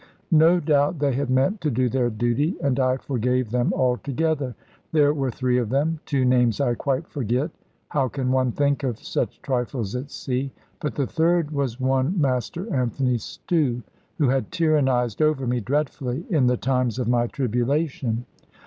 No doubt they had meant to do their duty; and I forgave them altogether. There were three of them. Two names I quite forget. How can one think of such trifles at sea? But the third was one Master Anthony Stew, who had tyrannised over me dreadfully, in the times of my tribulation.